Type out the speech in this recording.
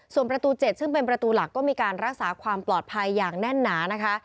ส่วนประตู๗ซึ่งเป็นประตูหลักก็มีการรักษาความปลอดภัยอย่างแน่นหนานะคะ